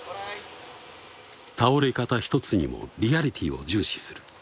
倒れ方一つにもリアリティーを重視する